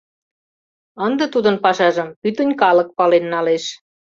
Ынде Тудын пашажым пӱтынь калык пален налеш.